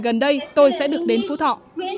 gần đây tôi sẽ được đến phú thọ